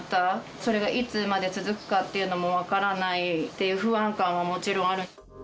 それがいつまで続くかというのも分からないっていう不安感はもちろんある。